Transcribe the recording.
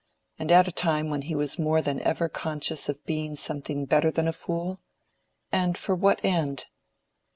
—and at a time when he was more than ever conscious of being something better than a fool? And for what end?